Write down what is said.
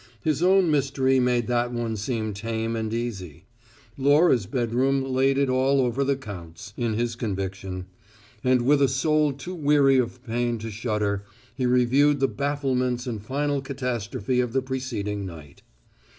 His own mystery made that one seem tame and easy: Laura's bedroom laid it all over the Count's, in his conviction; and with a soul too weary of pain to shudder, he reviewed the bafflements and final catastrophe of the preceding night.